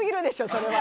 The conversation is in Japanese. それは。